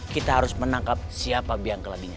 kita harus menangkap siapa biang kelebihnya